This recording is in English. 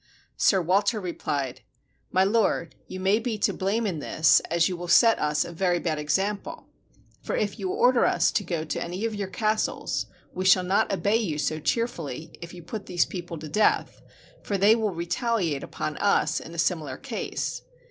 Sir Walter replied: " My lord, you may be to blame in this, as you will set us a very bad example; for if you order us to go to any of your castles, we shall not obey you so cheer fully if you put these people to death; for they will re taliate upon us in a similar case."